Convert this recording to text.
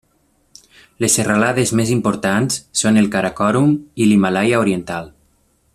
Les serralades més importants són el Karakorum i l'Himàlaia oriental.